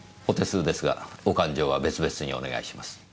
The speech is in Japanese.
お手数ですがお勘定は別々にお願いします。